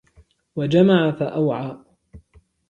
وَجَمَعَ فَأَوْعَى